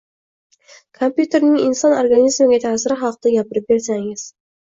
Kompyuterning inson organizmiga ta'siri haqida gapirib bersangiz.